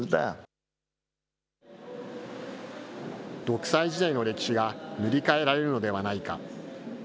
独裁時代の歴史が塗り替えられるのではないか。